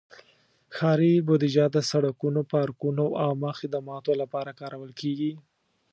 ښاري بودیجه د سړکونو، پارکونو، او عامه خدماتو لپاره کارول کېږي.